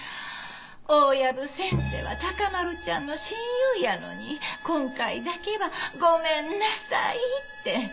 「大藪先生は孝麿ちゃんの親友やのに今回だけはごめんなさい」って。